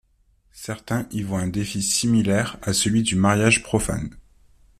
Certains y voient un défi similaire à celui du mariage profane.